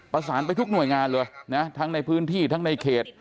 ประสานไปทุกหน่วยงานเลยนะทั้งในพื้นที่ทั้งในเขต